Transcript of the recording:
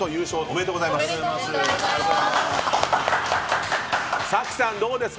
おめでとうございます。